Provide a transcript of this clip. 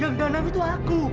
yang danang itu aku